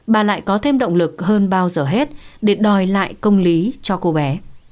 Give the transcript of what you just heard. bà lại có thêm động lực hơn bao giờ hết để đòi lại công lý cho cô bé